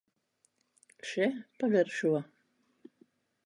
Še, pagaršo!